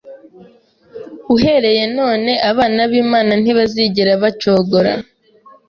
uhereye none abana b’imana ntbazigera bacogora